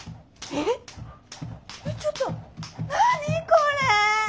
⁉えちょっと何これェ？